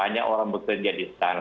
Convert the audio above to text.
banyak orang bekerja di stand